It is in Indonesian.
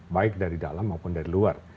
baik dari dalam maupun dari luar